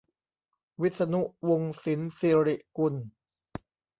วิษณุ วงศ์สินศิริกุล